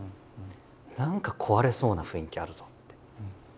何か壊れそうな雰囲気あるぞって。